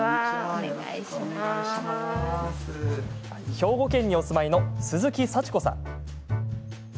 兵庫県にお住まいの鈴木祥子さん。